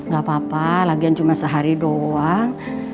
gak apa apa lagian cuma sehari doang